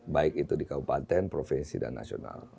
baik itu di kabupaten provinsi dan nasional